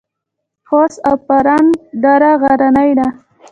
خوست او فرنګ دره غرنۍ ده؟